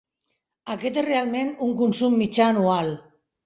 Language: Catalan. Aquest és realment un consum mitjà anual.